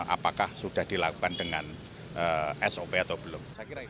apakah sudah dilakukan dengan sop atau belum